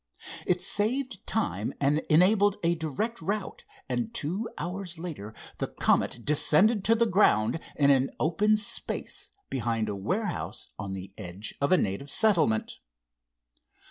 It saved time and enabled a direct route, and two hours later the Comet descended to the ground in an open space behind a warehouse on the edge of a native settlement.